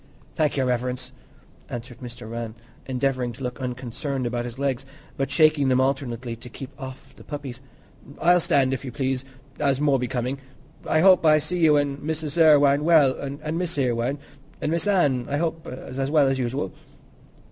"Thank Your Reverence," answered Mr. Rann, endeavouring to look unconcerned about his legs, but shaking them alternately to keep off the puppies; "I'll stand, if you please, as more becoming. I hope I see you an' Mrs. Irwine well, an' Miss Irwine—an' Miss Anne, I hope's as well as usual."